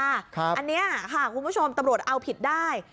อันนี้ค่ะคุณผู้ชมตำรวจเอาผิดได้